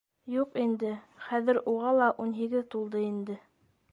Юҡ инде, хәҙер уға ла ун һигеҙ тулды инде.